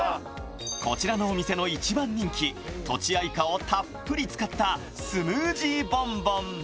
こちらのお店の一番人気、とちあいかをたっぷり使ったスムージーボンボン。